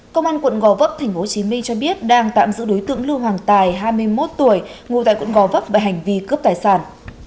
công an quận gò vấp tp hcm cho biết đang tạm giữ đối tượng lưu hoàng tài hai mươi một tuổi ngủ tại quận gò vấp về hành vi cướp tài sản